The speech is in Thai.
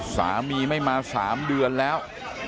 สามีไม่มา๓เดือนแล้ว